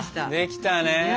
できたね。